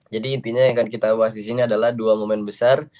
jadi intinya yang akan kita bahas disini adalah dua momen besar